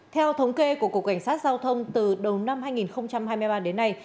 theo thống kê của cục cảnh sát giao thông từ đầu năm hai nghìn hai mươi ba đến nay